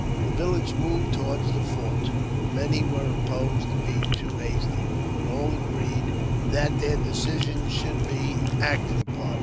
The village moved towards the fort. Many were opposed being too hasty, but all agreed that their decisions should bt acted upon.